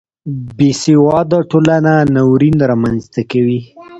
بې سواده ټولنه ناورین رامنځته کوي